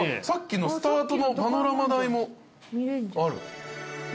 さっきのスタートのパノラマ台もある。